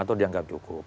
atau dianggap cukup